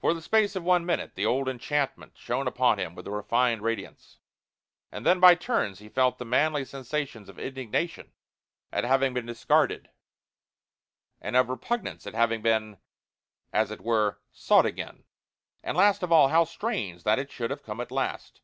For the space of one minute the old enchantment shone upon him with a reflected radiance. And then by turns he felt the manly sensations of indignation at having been discarded, and of repugnance at having been as it were sought again. And last of all how strange that it should have come at last!